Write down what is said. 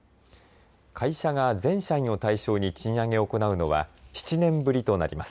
会社が全社員を対象に賃上げを行うのは７年ぶりとなります。